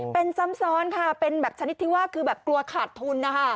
เป็นซ้ำซ้อนค่ะเป็นแบบชนิดที่ว่าคือแบบกลัวขาดทุนนะคะ